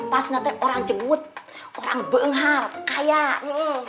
pasti nanti orang jenggut orang benghar kayak